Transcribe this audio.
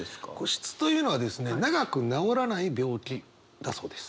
痼疾というのはですね長く治らない病気だそうです。